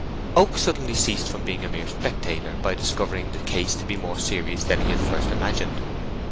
Oak suddenly ceased from being a mere spectator by discovering the case to be more serious than he had at first imagined.